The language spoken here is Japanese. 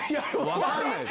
分かんない。